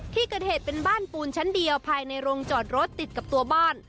ที่เกิดเหตุเป็นบ้านปูนชั้นเดียวภายในโรงจอดรถติดกับตัวบ้าน